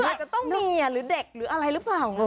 ก็อาจจะต้องมีหรือเด็กอะไรรึเปล่า